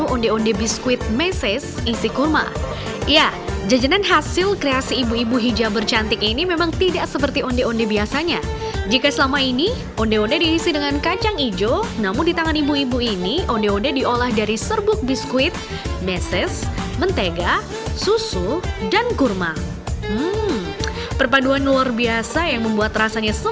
odeh odeh biskuit isi kurma